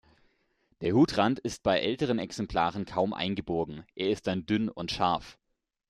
Der Hutrand ist bei älteren Exemplaren kaum eingebogen, er ist dann dünn und scharf.